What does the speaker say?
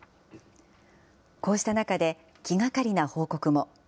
こうした中で、気がかりな報告も。